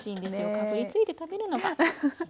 かぶりついて食べるのが。ね。